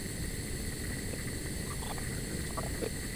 তোর মতো নিষ্কর্মা লোক আমার সামনে দাঁড়ানোর সাহস হয় কি করে?